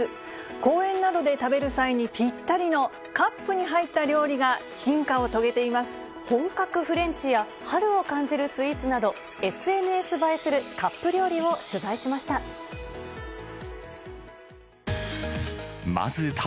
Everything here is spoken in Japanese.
公園などで食べる際にぴったりの、カップに入った料理が進化を遂げ本格フレンチや、春を感じるスイーツなど、ＳＮＳ映えするカップ料理を取材しました。